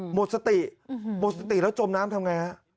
หมดสติหมดสติแล้วจมน้ำทำไงฮะ